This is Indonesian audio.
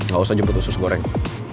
gak usah jemput usus goreng